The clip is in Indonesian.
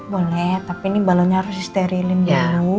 boleh tapi ini balonnya harus disterilin jauh